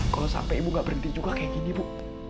kalau ibu gak berhenti juga kayak gini ibu